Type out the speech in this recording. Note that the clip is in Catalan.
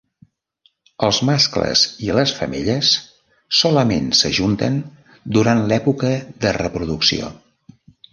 Els mascles i les femelles solament s'ajunten durant l'època de reproducció.